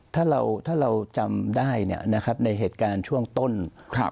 ถ้าเราถ้าเราจำได้เนี่ยนะครับในเหตุการณ์ช่วงต้นครับ